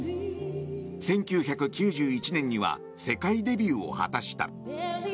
１９９１年には世界デビューを果たした。